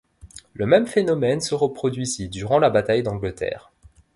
Le même phénomène se reproduisit durant la bataille d'Angleterre.